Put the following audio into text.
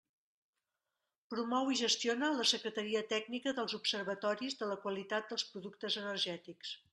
Promou i gestiona la Secretaria Tècnica dels Observatoris de la Qualitat dels productes energètics.